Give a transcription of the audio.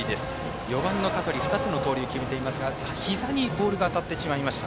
４番の香取２つの盗塁を決めていますがひざにボールが当たってしまいました。